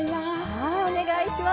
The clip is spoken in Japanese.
はいお願いします。